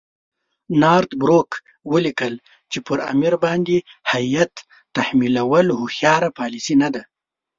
نارت بروک ولیکل چې پر امیر باندې هیات تحمیلول هوښیاره پالیسي نه ده.